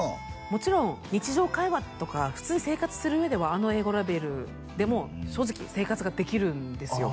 もちろん日常会話とか普通に生活する上ではあの英語レベルでも正直生活ができるんですよ